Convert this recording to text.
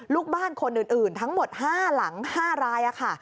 ลูกบ้านคนอื่นทั้งหมด๕หลัง๕รายค่ะ